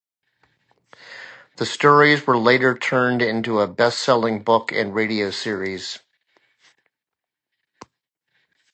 The stories were later turned into a best-selling book and radio series.